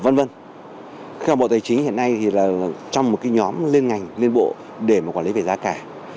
các bộ tài chính hiện nay trong một nhóm liên ngành liên bộ để quản lý về giá cả